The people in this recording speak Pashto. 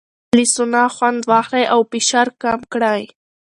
له سونا خوند واخلئ او فشار کم کړئ.